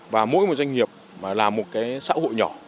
và mỗi một doanh nghiệp là một cái xã hội nhỏ